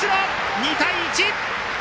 ２対１。